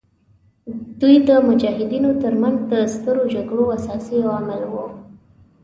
دوی د مجاهدینو تر منځ د سترو جګړو اساسي عوامل وو.